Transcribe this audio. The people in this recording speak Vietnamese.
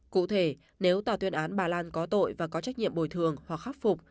cụ thể nếu tòa tuyên án bà lan có tội và có trách nhiệm bồi thường hoặc khắc phục